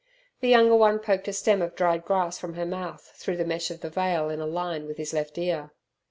The younger one poked a stem of dried grass from her mouth through the mesh of the veil in a line with his left ear.